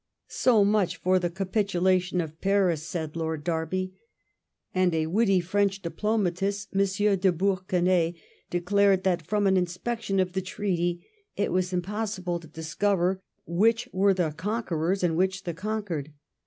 '' So much for the capitulation of Paris," said Lord Derby ; and a witty French diplomatist, M. de Bour queney, declared that from an inspection of the treaty it was impossible to discover which were the conquerors and which the conquered.